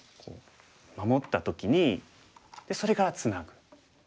守った時にでそれからツナぐ。